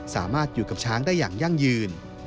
สามารถอยู่กับช้างได้อย่างยั่งยืน